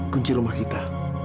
kunci rumah kita